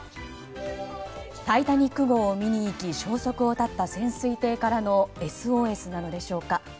「タイタニック号」を見に行き消息を絶った潜水艇からのＳＯＳなのでしょうか。